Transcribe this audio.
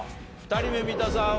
２人目三田さん